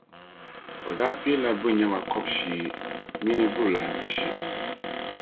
O daa piila bunyama kɔbisiyi mini bulahi pishi.